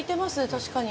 確かに。